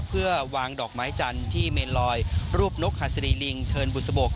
เพื่อวางดอกไม้จันทร์ที่เมนลอยรูปนกหัสดีลิงเทินบุษบก